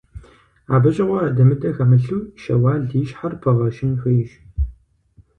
Абы щыгъуэ адэ-мыдэ хэмылъу Щэуал и щхьэр пыгъэщын хуейщ.